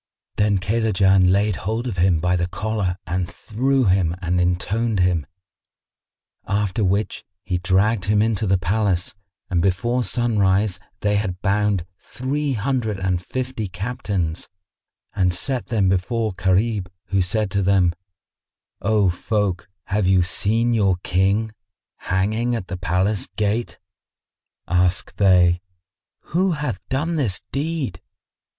Then Kaylajan laid hold of him by the collar and threw him and pinioned him; after which he dragged him into the palace and before sunrise they had bound three hundred and fifty Captains and set them before Gharib, who said to them, "O folk, have you seen your King hanging at the palace gate?" Asked they, "Who hath done this deed?"